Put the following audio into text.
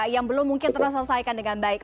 yang belum mungkin terus selesaikan dengan baik